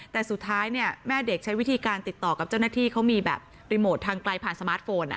แต่สุดท้ายเนี่ยแม่เด็กใช้วิธีการติดต่อกับเจ้าหน้าที่เขามีแบบรีโมททางไกลผ่านสมาร์ทโฟน